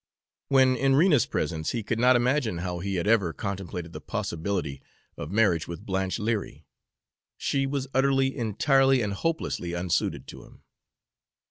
When in Rena's presence, he could not imagine how he had ever contemplated the possibility of marriage with Blanche Leary, she was utterly, entirely, and hopelessly unsuited to him.